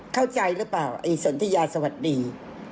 เข้าใจหรือเปล่าไอ้สนทิยาสวัสดี